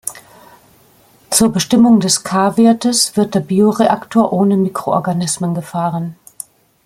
Zur Bestimmung des "ka"-Wertes wird der Bioreaktor ohne Mikroorganismen gefahren.